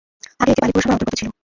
আগে এটি বালি পুরসভার অন্তর্গত ছিল।